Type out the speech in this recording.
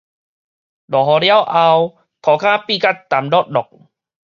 落雨了後，塗跤變甲澹漉漉